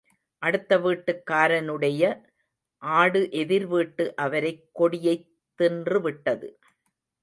அடுத்த வீட்டுக்காரனுடைய ஆடு எதிர் வீட்டு அவரைக் கொடியைத் தின்றுவிட்டது.